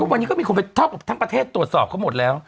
วันนี้ก็มีคนไปเท่ากับทั้งประเทศตรวจสอบเขาหมดแล้ว